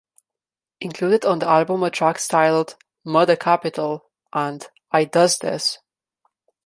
Included on the album are tracks titled "Murda Kapital" and "I Does This".